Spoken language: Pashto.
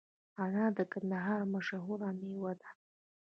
انار د کندهار مشهوره میوه ده